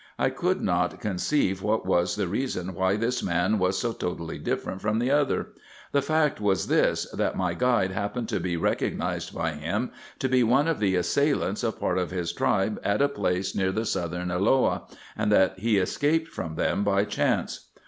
I could not 3 i 42G RESEARCHES AND OPERATIONS conceive what was the reason why this man was so totally different from the other ; the fact was this, — that my guide happened to be recognised by him to be one of the assailants of part of his tribe at a place near the southern Elloah, and that he escaped from them by chance.